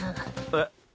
えっ？